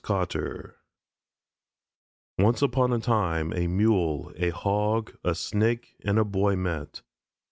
COTTER Once upon a time a Mule, a Hog, a Snake, and a Boy met.